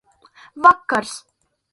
Vakars.